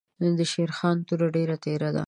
دشېرخان توره ډېره تېره ده.